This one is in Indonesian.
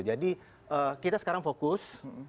jadi kita sekarang fokus kepada nyatakan